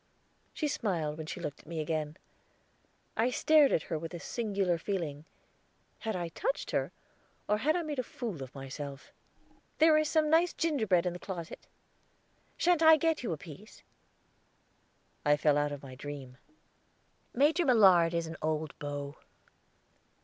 She smiled when she looked at me again. I stared at her with a singular feeling. Had I touched her, or had I made a fool of myself? "There is some nice gingerbread in the closet. Sha'n't I get you a piece?" I fell out of my dream. "Major Millard is an old beau.